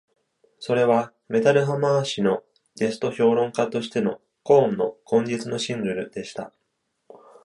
それはメタルハマー誌のゲスト評論家としてのコーンの「今月のシングル」でした。